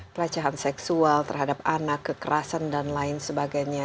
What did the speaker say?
pelecehan seksual terhadap anak kekerasan dan lain sebagainya